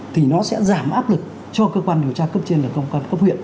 thì nó sẽ giảm áp lực cho cơ quan điều tra cấp trên là công an cấp huyện